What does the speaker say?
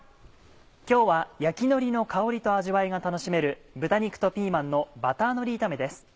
今日は焼きのりの香りと味わいが楽しめる「豚肉とピーマンのバターのり炒め」です。